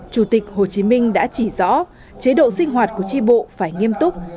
chủ tịch hồ chí minh đã chỉ rõ chế độ sinh hoạt của tri bộ phải nghiêm túc